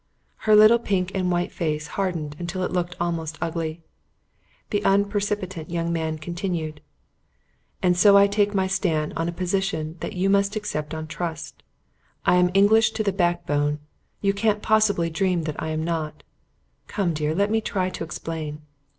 Her little pink and white face hardened until it looked almost ugly. The unpercipient young man continued: "And so I take my stand on a position that you must accept on trust. I am English to the backbone. You can't possibly dream that I'm not. Come, dear, let me try to explain."